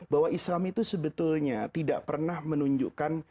bahwa islam itu sebetulnya tidak pernah menunjukkan